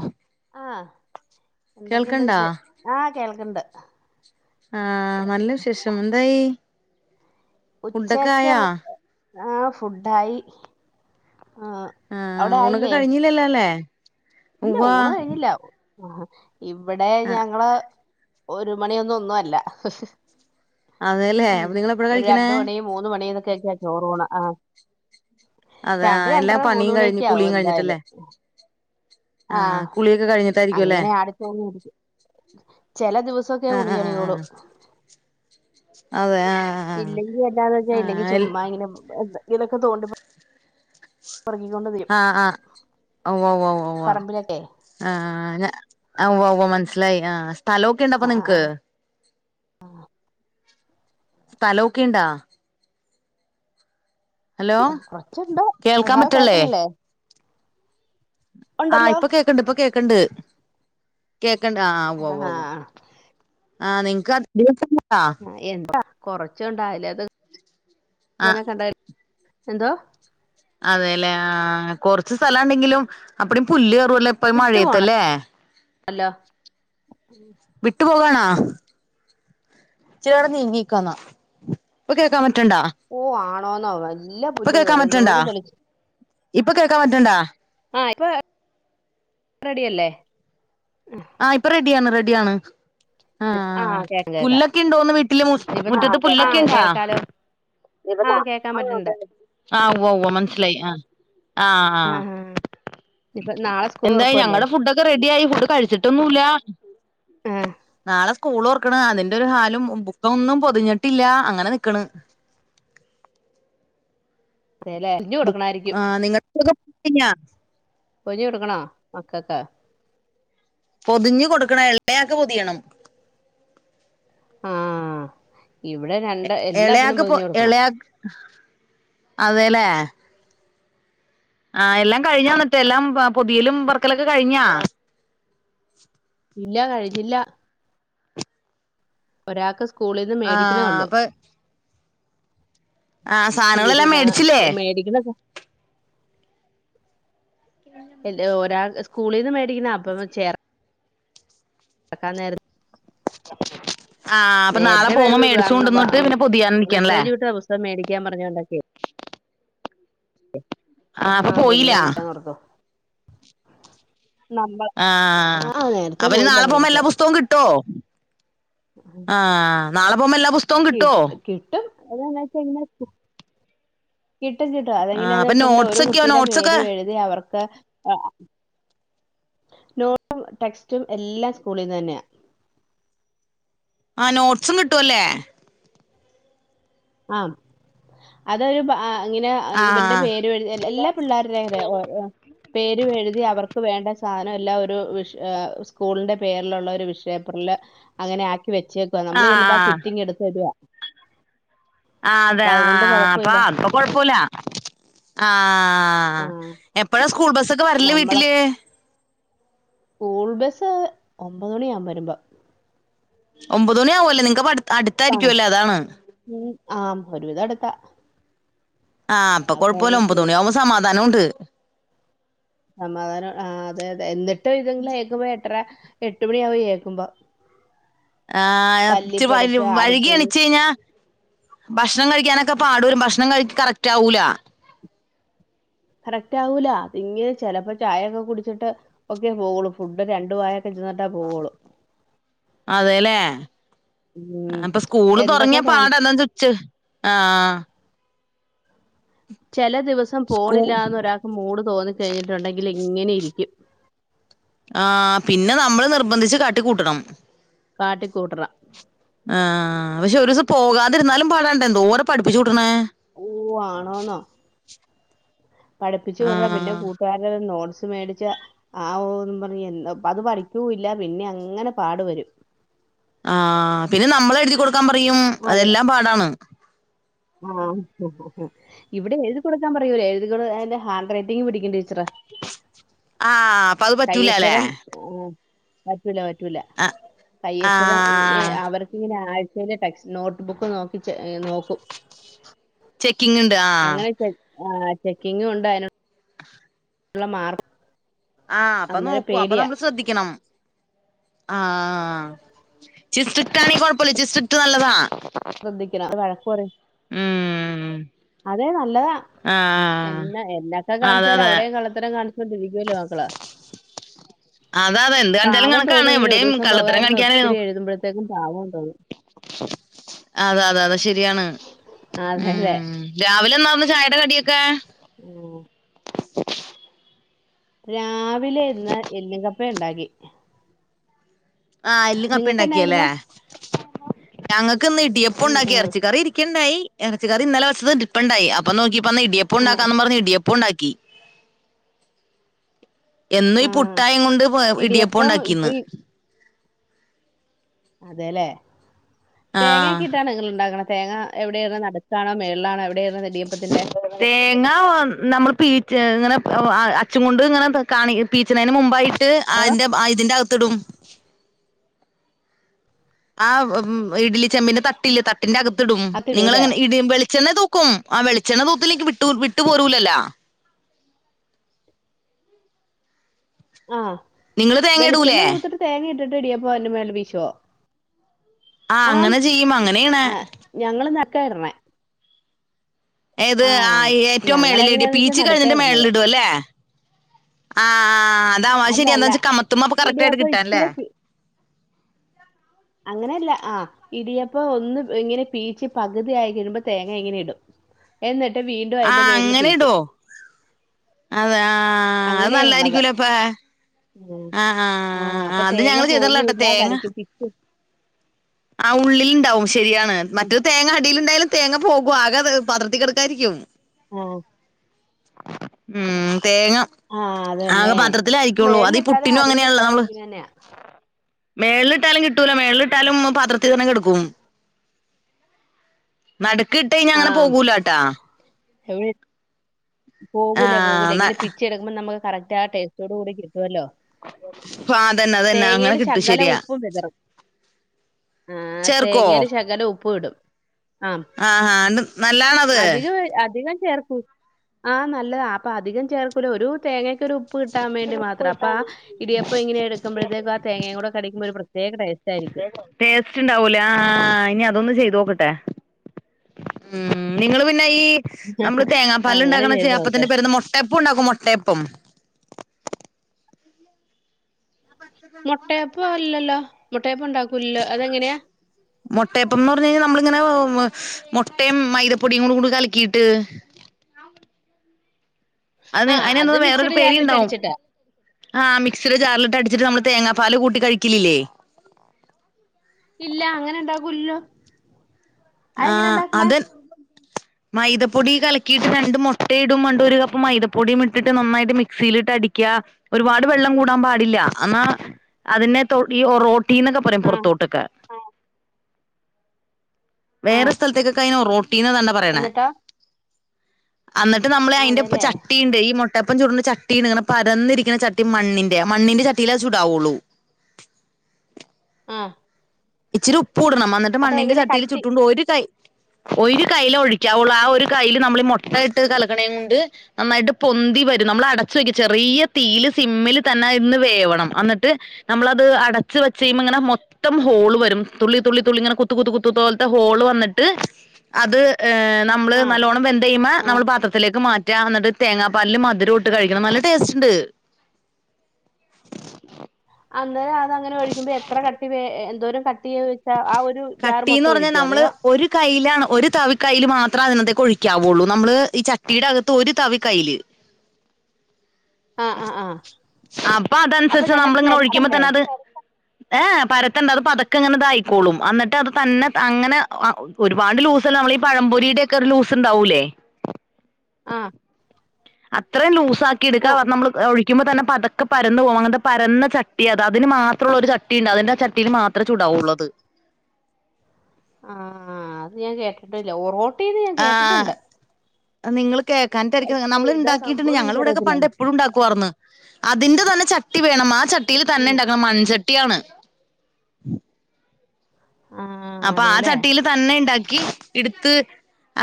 അ ആഹ എന്തൊക്കെയുണ്ട് വിശേഷം ആഹ കേൾക്കണ്ട്. ആഹ നല്ല വിശേഷം എന്തായി ഫുഡൊക്കെ ആയാ ഉച്ചക്കുള്ള- ആഹ ഫുഡായി ആഹ് ആ അവിടെ ഊണ് ഒക്കെ ആയില്ലേ കഴിഞ്ഞില്ലല്ലോ അല്ലേ ഇല്ല ഉവ്വാ ഊണ കഴിില്ല [unintelligible] ഇവിടെ ഞങ്ങള് ഒരു മണിയൊന്നും ഒന്നും അല്ല ഹ് അതേല്ലേ അപ്പ നിങ്ങള് എപ്പഴാ കഴിക്കണേ ചേച്ചി [unintelligible] ചോറൂണാ ആ അതെ ആ എല്ലാ പണീം കഴിഞ്ഞ് കുളീം കഴിഞ്ഞട്ടല്ലേ ആ അല്ലേ അങ്ങനെ അടുത്തു വന്നിരിക്കും ചെല ദിവസൊക്കെ ഉ [inaudible] ആഹ് ള്ളി ആഹ് കേറിക്കോളും ആഹ് അതെ ആ ഇല്ലെങ്കി എന്താന്ന് വെച്ചാ ഇല്ലെങ്കി ചുമ്മാ ഇങ്ങനെ [inaudible] എന്തയലും ഒക്കെ തോണ്ടുമ്പ ആ അ ആ ഓ ഓ ഓ ഓ ഓആ പറമ്പിലൊക്കെ ആ ആ ഞാ ആ ഓ ഓ മന സ്ലൈ ആ സ്ഥലോക്കെ ഇണ്ട അപ്പൊ നിങ്ങ്ക്ക് ആ സ്ഥലോക്കിണ്ടാ കൊറച്ചിണ്ട് അ കേൾക്കാൻ ഹലോ കേക്കണ്ല്ലേ ആ ഇപ്പൊ കേക്കൺണ്ട് ഇപ്പൊ കേക്ക് ക്കണ്ട് കേ ക്കണ്ട ആ ഉവ്വ ഉവ വ ആഹ് ആ നിങ്ങ്ക്ക് ആ ദിവസങ്ങ ഉം എന്താ കൊറച്ച് ഉണ്ടായല്ലേ അത് ആഹ് ദെനെക്കെണ്ടായി എന്തോ അതേല്ലേ ആ കൊറച്ച് സ്ഥല ണ്ടെങ്കിലും അപ്പിടീം പുല്ല് പുല്ല് ഇപ്പഴും മഴേത്തല്ലേ അല്ല വിട്ടു പോകാണാ ചേർന്ന് നീങ്ങിക്കെന്നാ ഇപ്പൊ കേക്കാൻ പറ്റണ് ഓ ആണോന്നോ നല്ല ഇപ്പൊ പുല്ല് കേക്കാൻ കേറു പറ്റണ്ടാ ന്തോരും തെളി ഇപ്പൊ കേക്കാൻ പറ്റൺണ്ടാ ആ ഇപ്പ റെഡിയല്ലേ ആ ഇപ്പ റെഡിയാണ് റെഡ്‌ യാണ് ആ ആ കേക്കാം കേക്കാം പുല്ലൊക്കെ ഇണ്ടോന്ന് വീട്ടില് മുറ്റ് ഇനിയിപ്പ നാ മുറ്റത്ത് ആ പുല്ലക്കിണ്ടാ കേൾക്കാലോ ആ എവടന്നാ കേക്കാൻ പറ്റണ്ട് അങ്ങോട്ട്ന്നെആ ഉവ്വ ഉവ മനസ്സിലായി ആ ആ ഹാ ഇനിയിപ്പ നാളെ സ്കൂൾ എന്തായി തുറക്കുവല്ലേ ഞങ്ങട ഫുഡൊക്കെ റെഡി ആയി ഫുഡ് കഴിച്ചിട്ടൊന്നുല്ല എ എന്ന സ്കൂൾ ഓർക്കണ് അതിന്റെ ഒരു ഹാലും ബുക്കം ഒന്നും പൊതിഞ്ഞിട്ടില്ല അങ്ങനെ നിക്കണ് അതെല്ലേ പൊതിഞ്ഞു കൊടുക്കണായിരിക്കും ആ നിങ്ങൾ [unintelligible] ഞ്ഞ പൊഞ്ഞ കൊടുക്കണോ മക്കൊക്കെ പൊതിഞ്ഞു കൊടുക്കണ എളയാൾക്ക് പൊതിയണം ആഹ ഇളയാക്ക പോ ഇളയാ അതെലേ ആഹ എല്ലാം കഴിഞ്ഞാ എന്നിട്ട എല്ലാം പുതിയലും പറക്കലൊക്കെ കഴിഞ്ഞാ ഇല്ല കഴിഞ്ഞില്ല ഒരാക്ക് ആ അപ്പൊ ആ തീ- സാധനങ്ങളെല്ലാം പിന്നെ മേടിച്ചില്ലേ? മേടിക്കണ എല്ല ഒരാൾ സ്കൂളിൽ നിന്ന് മേടിക്കുന്ന അപ്പം ചേർ ക്കാ നേരത്തു ആ അപ്പൊ നാളെ നേരത്തെ പോകുമ്പോ വന്ന് വ മേടിച്ച അന്ന് വ- കൊണ്ടന്നട്ട് പിന്നെ പതിയാൻ നിൽക്കണംല്ലേ ഞാ പറഞ്ഞോണ്ടാക്ക ആ അപ്പൊ ആഹ് പോയില്ല പുതിയ എനിക്കാ തുർക്കോ ആ ആഹ് നേരത്തെ അപ്പനി പോയില്ല നാളെ പോകുമ്പോ എല്ലാ മേടിക്കാൻ പുസ്തകവും കിട്ടോ? ആ നാളെ പോകുമ്പോ എല്ലാ പുസ്തകവും കി കിട്ടോ [unintelligible] കിട്ടും കിട്ടും ആ അതങ്ങനെയാന്ന് അപ്പൊ വെച്ചിട്ടുണ്ട ഒരു നോട്ട്സ് ഒക്കെയോ കുട്ടിയുടെ നോട്ട്സ് ഒക്കെ പേര് എഴുതി അവർക്ക് [unintelligible] നോട്ടും ടെക്സ്റ്റും എല്ലാം സ്കൂളിൽ തന്നെയ ആ നോട്ട്സും കിട്ടുവല്ലേ ആ അതൊരു ബാ അങ്ങനെ ആ ഇവന്റെ പേരുഴതി എല്ലാ പിള്ളേരുടെ പേരു എഴുതി അവർക്ക് വേണ്ട സാധനം എല്ല ഒരു വിഷ് സ്കൂളിന്റെ പേരിലുള്ള ഒരു വിഷ പേപ്പറിൽ അങ്ങനെ ആക്കി വെച്ചേക്കുവ നമ്മള് ചിലപ്പോ ആ കിറ്റിങ് എടുത്ത വരുവാ ആ അതെ ആ അതുകൊണ്ട് അപ്പ കുഴപ്പമില്ല അപ്പൊ കൊഴപ്പല്ല ആ ആ ആഹ് എപ്പഴാ സ്കൂൾ ബസ്സൊക്കെ വരല്ല നമ്മളെ വീട്ടില് സ്കൂൾ ബസ് ഒമ്പത് മണിയാകും വരുമ്പോ ഒമ്പത് മണി ആവുംല്ലേ നിങ്ങക്ക് പഠ അടുത്തായിരിക്കുവല്ലേ അതാണ് ആ ഒരുവിധം അടുത്താ ആ അപ്പൊ കുഴപ്പമില്ല ഒൻപത് മണിയാവുമ്പോൾ സമാ സമാധാനം ഉണ്ട് സമാധാനം ആ അതെ അതെ എന്നിട്ട് ട്ട് ഇതിങ്ങൾ എഴുന്നേൽക്കുമ്പോൾ എട്ടര എട്ട് മണിയ ആക്കും എഴുനേൽക്കാൻ ആ ഇച്ചിരി വൈകി ആടിത്തൂളി എണീച്ച് കഴിഞ്ഞാ ഭക്ഷണം കഴിക്കാനൊക്കെ ക്കെ പാടു വരും ഭക്ഷണം കഴിക്കു കറക്റ്റ് ആവൂല്ല കറക്റ്റ് ആവൂല അല്ലെങ്കിൽ ചിലപ്പോ ചായയൊക്കെ കുടിച്ചിട്ട് ഒക്കെ പോവളൂ ഫുഡ് രണ്ടു വായൊക്കെ ചെന്നിട്ടേ പോവളൂ അതെല്ലേ ഉം അപ്പൊ സ്കൂള് തുറങ്ങിയ എന്തൊക്കെ കാണി പാട എന്നുവച്ച് ആഹ ചില ദിവസം സ്കൂ പോണില്ല എന്ന് ഒരാൾക്ക് മൂട് തോന്നിക്കഴിഞ്ഞിട്ടുണ്ടെങ്കിൽ ഇങ്ങനെ ഇരിക്കും ആ പിന്നെ നമ്മള് നിർബന്ധിച്ച് കട്ടി കൂട്ടണം കാട്ടി കുട്ടണം ആ പക്ഷെ ഒരു ദിവസം പോകാതിരുന്നാലും പാടാണ്ട എന്തോ ഈ പഠിപ്പിച്ചു കൂട്ടണേ ഓ ആണോന്നോ പഠിപ്പിച്ചു പറഞ്ഞ പിന്നെ ആഹ് കൂട്ടുകാര നോസ് മേടിച്ച ആ പറഞ്ഞു അത് പഠിക്കൂല്ല പിന്നെ അങ്ങനെ പാടു വരും ആ പിന്നെ നമ്മൾ എഴുതി എഴുതികൊടുക്കാൻ പറയും അവിടെ അതെല്ലാം പാടാണ് ആ ഹാ ഹാ ഇവിടെ എഴുതി കൊടുക്കാൻ പറയൂലേ എഴുതി എറെ ഹാൻഡ്ററ്റിംഗ് പിടിക്കും ടീച്ചറെ ആ.. കൈയ്യക്ഷരം മ് ആ പറ്റൂല്ല പറ്റൂല ആഹ് കയ്യക്ഷരം ഇങ്ങനെ ആഹ് അവർക്കിങ്ങനെ ആ ടെക്സ് നോട്ട് ബുക്ക് നോക്കി നോക്കും ആ ആഹ ചെക്കിങ്ങും ഉണ്ടായ ഉള്ള മാർക്ക് ആ അപ്പൊ അന്നേരം നോക്കൂ അപ്പൊ പേടിയാ നമ്മൾ ശ്രദ്ധിക്കണം ആഹ ചിസ്ട്ടാണെങ്ക കുഴപ്പമില്ല ചിസ്ട്ട നല്ലതാ ശ്രദ്ധിക്കണം വഴക്ക് പറയും മ് അതെ നല്ലതാ എന്ന എന്നൊക്കെ അതെ കാണിച്ചാല അതെ അവിടെയും കള്ളത്തരം കാണിച്ചൊണ്ട് ഇരിക്കുവല്ലോ മക്കള് അതെ അതെ എന്ത് കാണിച്ചാലും പാവം കണക്കാണ് തോന്നും ഇങ്ങനെ ഒരു ഇവിടെയും ദിവസം പോകാതെ ഒത്തിരി എഴുതുമ്പോഴത്തേക്കും [unintelligible] [unintelligible] അത് ശരിയാണ് അതെല്ലേ ഉം രാവിലെ എന്താർന്ന് ചായേടെ കടിയൊക്കെ ഉം [unintelligible] രാവ് [unintelligible] എല്ലും ക പ്പ ഇണ്ടാക്കി ആഹ് എല്ലും കപ്പ ഇണ്ടാക്കിയല്ലേ എന്നായിരുന്നു ഞങ്ങൾക്ക് ഇന്ന് ഇടിയപ്പം ഉം, ഇണ്ടാക്കി ഉം, ഇറച്ചി കറി ഇരിക്ക്‌ണ്ടായി ഇറച്ചിക്കറി ഇന്നലെ വച്ചത് ഇരിപ്പ്ണ്ടായി ആയി അപ്പം നോക്കിയ നല്ല ഇടിയപ്പം ആ ഉണ്ടാക്കാന്ന് പറഞ്ഞ് ഇടിയപ്പ് പ്പുണ്ടാക്കി എന്നും ആ ഈ പുട്ടായത് കൊണ്ട് ഇടിയപ്പം ഒണ്ടാക്കി ഇന്ന് അതേല്ലേ ആഹ് തേങ്ങക്കെയിട്ടാണോ നിങ്ങൾ ഉണ്ടാക്കണത് തേങ്ങ എവിടായിടണേ നട്ക്കാണോ മേളിലാണോ എവിടെയ തേങ്ങാ ഒ നമ്മള് പീച്ച് ഇങ്ങനെ അ അച്ചും കൊണ്ട് ഇങ്ങനെ കാണി പീച്ചണേന് മുമ്പായി ട്ട് അതിന്റെ ബ ഇതിന്റെ അക ത്ത്ടും ആ ഇഡലി ചെമ്പിന്റെ തട്ടില്ലെ തട്ട് ട്ടിന്റെ അകത്ത് ഇടും അത്തിടൂല്ലേ നിങ്ങളെങ്ങനെ ഇടെം വെളിച്ചെണ്ണ തൂ ക്കും ആ വെളിച്ചെണ്ണ തൂത്തില്ലെങ്കി വിട്ടു വിട്ടു പോരൂലല്ലാ ആഹ് നിങ്ങള് തേങ്ങ ഇടൂലേ വെളിച്ചെണ്ണ തൂത്തിട്ട് തേങ്ങ ഇട്ടിട്ട് റെഡിയാ പാലു മേൽ വീശുക ആഹ് അങ്ങനെ ചെയ്യും അങ്ങനേണ് ക്കേർണേ ഏത് ആ ഏറ്റവും ഞങ്ങൾ മേളില് ഇടിയ എങ്ങനെയാന്ന് വെച്ചാൽ പീച്ച് നടുക്കാ കഴിഞ്ഞിന്റെ ഇടണത് മേളില് ഇടുവല്ലേ ആ ആ അതാവാ അല്ല ശരി എന്നാ അല്ല വെച്ചാ കമ്മത്തുമ്മ അപ്പ കറക്ട് ആയിട്ട് ഇടിയപ്പം കിട്ടാൻ ല്ലേ ഇച്ചിരി പി- അങ്ങനെയല്ല ആ ഇടിയപ്പം ഒന്ന് ഇങ്ങനെ പീച്ചി പകുതിയായി കഴിയുമ്പോ തേങ്ങ ഇങ്ങനെ ഇടും എന്നി ആഹ് അങ്ങനെ ഇടോ അതെ ആ ആഹ് അത് അങ്ങനെ ഇടണത് നല്ലായിരിക്കൂലേ അപ്പ ഉം. ആ ആഹ് ആ അപ്പൊ അത് തേങ്ങ ഞങ്ങള് ചെയ്തിട്ടില്ലാട്ടാ പോകൂല്ല തേങ്ങ കടിക്ക് പിച്ച് ആ ഉള്ളിൽ ഉണ്ടാവും ശരിയാണ് മറ്റേത് തേങ്ങ അടിൽ ഇണ്ടായാലും തേങ്ങ പോകും ആകെ പാത്രത്തിൽ കിടക്കായിരിക്കും ആഹ് ഉം തേങ്ങ ആ ആകെ അതന്നെ പാത്രത്തില ആയിരിക്കുള്ളൂ അത് മേളിലിട്ടാലും പുട്ടിനും അങ്ങനെയാല്ലോ അടിയിലിട്ടാലും നമ്മള് ഇങ്ങനെ തന്നെയാ മേളിട്ടാലും കിട്ടൂല മേളിലിട്ടാലും പത്രത്തി തന്ന കിടക്കും നടുക് കിട്ട് കഴിഞ്ഞാൽ അങ്ങനെ പോകൂലട്ടാ എവിട്ട് പോകൂല ആഹ് പോകില്ല ന ഇനെ പിച്ചെടുക്ക്പോം നമുക്ക് കറക്റ്റ് ആ ടേസ്റ്റോട് കൂടി കി അ അതന്ന അതന്ന അങ്ങനെ തേങ്ങയിൽ കിട്ടും ശെരിയാ ആഹ് തേങ്ങേല് ശകലം ഉപ്പു ഇടും ആ ആഹ് ആ അത് നല്ലതാണോ അത് ചേർക്കു ആഹ് നല്ലതാ അപ്പൊ അധികം ചേർക്കൂല ഒരു തേങ്ങ ഒരു ഉപ്പ് കിട്ടാൻ വേണ്ടി മാത്രം അപ്പ ആ ഇടിയപ്പം ഇങ്ങനെ എടുക്കുമ്പഴത്തേക്ക് ആ തേങ്ങയും കൂടെ കടിക്കുമ്പ ഒരു പ്ര ടേസ്റ്റ് ഉണ്ടാവൂലേ ആ ഇനി അതൊന്ന് ചെയ്ത് നോക്ക ട്ടെ ഉം നിങ്ങള് പിന്നെ ഈ നമ്മള് തേങ്ങാപ്പാലിൽ അങ്ങനെ ഉണ്ടാക്കണ ചെയ്ത് നോക്ക്. അപ്പത്തിന്റെ പേരെന്താ മുട്ടപ്പം ഉണ്ടാക്കും മുട്ടയപ്പം മുട്ടയപ്പം അല്ലല്ലോ. മുട്ടയപ്പം ഉണ്ടാക്കൂലല്ലോ. അതെങ്ങനെയാ? മുട്ടയപ്പം എന്ന് പറഞ്ഞ് കഴിഞ്ഞാൽ നമ്മളിങ്ങനെ മുട്ടയും മൈദപ്പൊടിയും കൂ കൂടി കലക്കിട്ട് അത് ആഹ് അതിനെ എന്ത വേറൊരു മിക്സിയുടെ പേര് ജാറിലിട്ട് ഇണ്ടാവും അടിച്ചിട്ട്. ആ മിക്സിട ജാറിലിട്ട് അടി ച്ചിട്ട് നമ്മള് തേങ്ങാപ്പാല് കൂട്ടി കഴിക്കലില്ലേ ഇല്ല അങ്ങനെ ഇണ്ടാക്കൂലല്ലോ ആഹ് അതെ. മൈദപ്പൊടി കലക്കിയിട്ട് രണ്ട് മുട്ടയിടും പണ്ട് ഒരു കപ്പ് മൈദപ്പൊടിയും ഇട്ടിട്ട് നന്നായിട്ട് മിക്സിയിലിട്ട് അടിക്കുക ഒരുപാട് വെള്ളം കൂടാൻ പാടില്ല എന്നാ അതിനെ തി ഈ ഒറോ ട്ടീന്നൊക്കെ ആഹ് പുറത്തോട്ടൊക്കെ വേറെ ആഹ് സ്ഥലത്തേക്കൊക്കെ അയി നെ ഒറോട്ടി തന്നെ പറയണേ. എന്നിട്ടോ? അന്നിട്ട് നമ്മള് ആഹ് അയിന്റെ ഇപ്പ അതേല്ലേ. ചട്ടിയുണ്ട് ഈ ട്ടപ്പം ചൂടു ചട്ടി പരന്നിരിക്കണ ചട്ടി മണ്ണിന്റെ മണ്ണിന്റെ ചട്ടില് അത് ചൂടാവുള്ളൂ. ആഹ്. ഇച്ചരുപ്പ പ്പ് കൂടണം എന്നിട്ട് അപ്പൊ മണ്ണിന്റെ എങ്ങനെ ചട്ടീല് കട്ടി ചുറ്റുണ്ട് ഒരു കൈ ഒരു കൈൽ ഒഴിക്കാവുള്ളൂ ആ ഒരു കൈല് നമ്മളി മൊട്ടായിട്ട് കലക്കണ കൊണ്ട് നന്നായിട്ട് പൊന്തി വരും നമ്മൾ അടച്ച് വെക്കും ചെറിയ തീല് സിമ്മിൽ തന്നെ ഇന്ന് വേവണം എന്നിട്ട് നമ്മളത് അടച്ച് വെച്ച കഴിയുമ്പോൾ ഇങ്ങനെ മൊത്തം ഹോളും വരും തുള്ളി തുള്ളി തുള്ളി ഇങ്ങനെ കുത്ത് കുത്ത് കുത്ത് പോലത്തെ ഹോൾ വന്നിട്ട് അത് നമ്മള് ആഹ് നല്ലോണം വെന്തെയ്യുമ്പോ ആഹ് നമ്മള് പാത്രത്തിലേക്ക് മാ റ്റ എന്നിട്ട് തേങ്ങാപ്പാലില് മധുരം ഇട്ട് കഴിക്കണം നല്ല ടേസ്റ്റ് ഇണ്ട്. അ അതെ അത് അങ്ങനെ ഒഴിക്കുമ്പോ എത്ര കട്ടി വേ എന്തൊര കട്ടിന്ന് പറഞ്ഞാൽ ഒഴിക്കോ? നമ്മള് അതെയോ ഒരു കൈയിലാണ് ഒരു തവിക്കൈയില് മാ അത്ര അതിനത്തേക്ക ഒഴിക്കാവുള്ളൂ നമ്മള് ഈ ചട്ടിയുടെ അകത്ത് ഒരു തവി കൈയില് ആഹ് ആഹ് ആഹ് അപ്പൊ അപ്പൊ അതന്സരിച്ച് നന്നായിട്ട് നമ്മളങ്ങനെ ഒഴിക്കമ്പോ നെരത്തണ്ടേ? തന്നെ അത് ഏഹ് പരത്തണ്ട അത് പതക്ക ഇങ്ങനെ ഇതായിക്കോളും എന്നിട്ട് അത് തന്നെ അങ്ങനെ ഒരുപാട് ലൂസ്സല്ലേ നമ്മള ഈ പഴംപൊരിടെ ഒക്കെ ഒരു ലൂസ് ഉണ്ടാവൂലേ ആഹ അത്രയും ലൂസ് ആാക്കി എടുക്കാ നമ്മള് ഒഴി കിക്കുമ്പോ തന്നെ പതക്കെ പരന്നു പോകും അങ്ങനത്തെ പരന്ന ചട്ടി അത് അതിന് മാത്രം ഉള്ള ഒരു ചട്ടിയുണ്ട് അതിന്റെ ആ ചട്ടിയിൽ മാത്രം ചൂടാവുള്ളത് ആഹ അത് ഞാൻ കേട്ടിട്ടില്ല റോ ആഹ നിങ്ങൾ കേൾക്കാനൻായിരിക്കും പക്ഷെ നമ്മള് ഇതാ ഉണ്ടാക്കിയിട്ടുണ്ട് സംഭവംന്ന് ഞങ്ങള ഇവിടെയക്കെ പണ്ട് എനിക്കറിയത്തില്ലായിരുന്നു എപ്പോഴും ഉണ്ടാക്കുവാര്ന്ന് അതിന്റെ തന്നെ ചട്ടി വേണം മാ ചട്ടിയിൽ തന്നെ ഉണ്ടാക്കണും മൺചട്ടിയാണ് മം ആഹ് അപ്പൊ ആ അതെല്ലേ ചട്ടിയില് തന്നെ ഇണ്ടാ ക്കി എടുത്ത്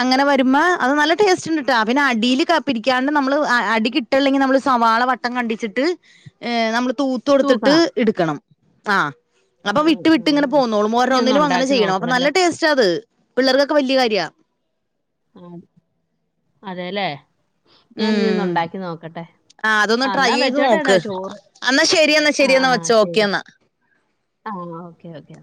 അങ്ങനെ വരുമ്പ അത് നല്ല ടേസ്റ്റ് ഉണ്ട്ട്ടാ പിന്നെ അടിൽ കരിക്കാണ്ട് നമ്മള് അടി കിട്ടെങ്കിൽ നമ്മള് സവാള വട്ടം കണ്ടിച്ചിട്ട് എ നമ്മ തൂത്ത് കൊടുത്തിട്ട് തൂക്കണം എടുക്കണം ആഹ അപ്പൊ ആഹ് ആഹ് വിട്ട് വിട്ട് ഇങ്ങനെ ആഹ് പോന്നോളും ഇനി ഒന്ന് ഓരോന്നിനും അങ്ങനെ ചെ ഉണ്ടാക്കി ചെയ്യണം അപ്പൊ നല്ല നോക്കണല്ലോ ടേസ്റ്റ് അത് പിള്ളേർക്കൊക്കെ വല്യ കാര്യ ആ അതെല്ലേ ഞാന ഇനി ഒന്ന് ഉണ്ടാക്കി നോക്കട്ടെ ആ അതൊന്ന് ആഹ് ട്രൈ എന്നാ ചെയ്ത് വെച്ചോട്ടെ എന്നാ നോക്ക് ചോറ് എന്നാ ശരിയെന്ന ശരിയെന്ന വെച്ചോ ഓക്കൊ എന്നാ ആഹ ഓക്കെ ഓക്കേ